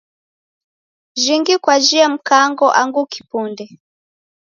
Jhingi kwajhie Mkango angu kipunde?